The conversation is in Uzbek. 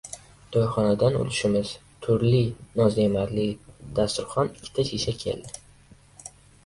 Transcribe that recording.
To‘yxonadan ulushimiz — turli noz-ne’matli dasturxon, ikkita shisha keldi.